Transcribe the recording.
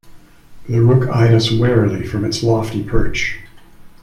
The rook eyed us warily from its lofty perch.